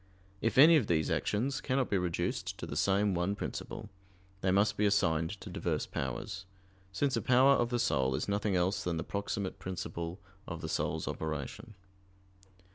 If any of these actions cannot be reduced to the same one principle, they must be assigned to diverse powers; since a power of the soul is nothing else than the proximate principle of the soul's operation.